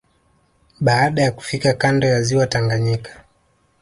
Baada ya kufika kando ya ziwa Tanganyika